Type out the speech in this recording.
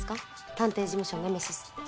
探偵事務所ネメシスって。